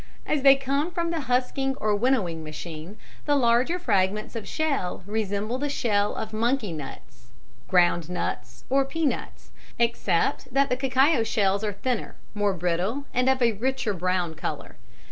As they come from the husking or winnowing machine, the larger fragments of shell resemble the shell of monkey nuts (ground nuts or pea nuts), except that the cacao shells are thinner, more brittle and of a richer brown colour.